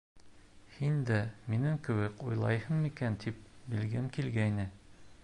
Һин дә минең кеүек уйлайһың микән, тип белгем килгәйне.